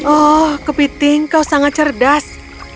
oh kepiting kau sangat cerdas